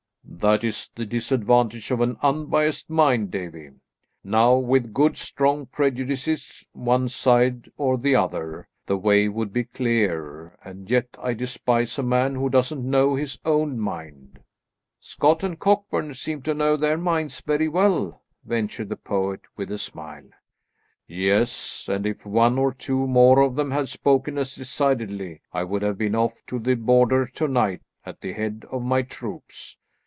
"That is the disadvantage of an unbiased mind, Davie. Now, with good, strong prejudices, one side or the other, the way would be clear, and yet I despise a man who doesn't know his own mind." "Scott and Cockburn seemed to know their minds very well," ventured the poet, with a smile. "Yes, and if one or two more of them had spoken as decidedly, I would have been off to the Border to night at the head of my troops.